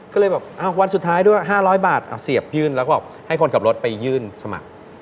ก็เลยแบบวันสุดท้ายด้วย๕๐๐บาทเอาเสียบยื่นแล้วก็ให้คนขับรถไปยื่นสมัคร